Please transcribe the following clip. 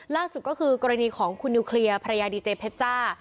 ล่าสุดก็คือกรณีของคุณนิวเคลียร์ภรรยาดีเจเพชจ้า